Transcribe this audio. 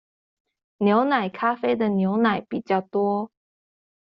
牛奶咖啡的牛奶比較多